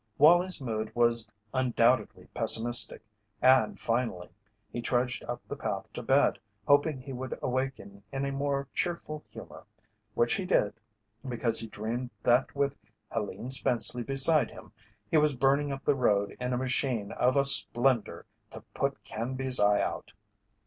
Wallie's mood was undoubtedly pessimistic, and, finally, he trudged up the path to bed, hoping he would awaken in a more cheerful humour which he did because he dreamed that with Helene Spenceley beside him he was burning up the road in a machine of a splendour "to put Canby's eye out."